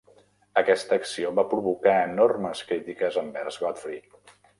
Aquesta acció va provocar enormes crítiques envers Godfrey.